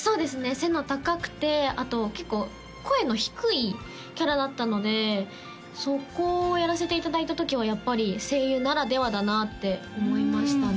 背の高くてあと結構声の低いキャラだったのでそこをやらせていただいた時はやっぱり声優ならではだなって思いましたね